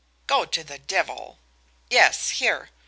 "Go to the devil yes, here!